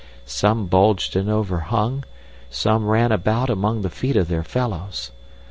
Some bulged and overhung, some ran about among the feet of their fellows.